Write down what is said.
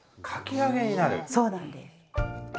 そうなんです。